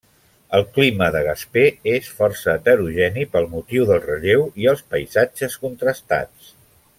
El clima de Gaspé és força heterogeni per motiu del relleu i els paisatges contrastats.